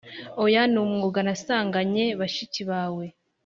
oya numwuga nasanganye bashiki bawe